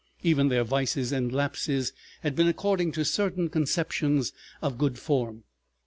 Even their vices and lapses had been according to certain conceptions of good form.